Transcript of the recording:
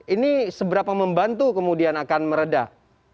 ini seberapa membantu kemudian akan meredah